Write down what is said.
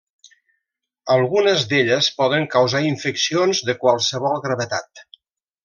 Algunes d'elles poden causar infeccions de qualsevol gravetat.